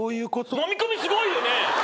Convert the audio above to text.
のみ込みすごいよね。